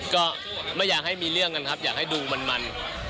ก็ไม่อยากให้มีเรื่องกันครับอยากให้ดูมัน